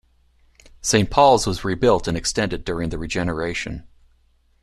Saint Paul's was rebuilt and extended during the regeneration.